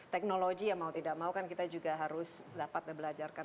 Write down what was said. teknologi ya mau tidak mau kan kita juga harus dapat dan belajarkan